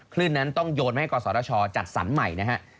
คลื่นนั้นต้องโยนมาให้กศชจัดสรรใหม่นะฮะ